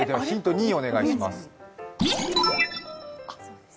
２お願いします。